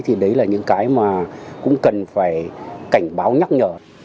thì đấy là những cái mà cũng cần phải cảnh báo nhắc nhở